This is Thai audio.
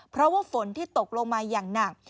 เพราะว่าฝนที่ตกลงมาอย่างหนัก